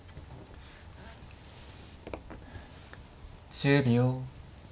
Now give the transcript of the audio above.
１０秒。